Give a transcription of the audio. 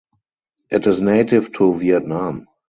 It is native to Vietnam.